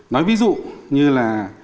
nói ví dụ như là